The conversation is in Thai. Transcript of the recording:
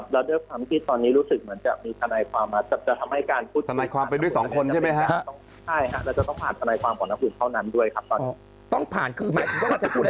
เลยค่ะ